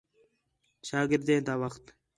شاگردیں تا وخت